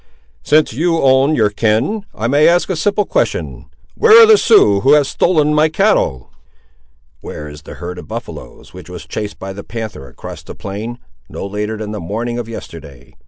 "Since you own your kin, I may ask a simple question. Where are the Siouxes who have stolen my cattle?" "Where is the herd of buffaloes, which was chased by the panther across this plain, no later than the morning of yesterday?